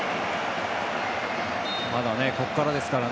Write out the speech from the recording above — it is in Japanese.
まだここからですから。